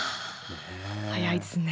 早いですね。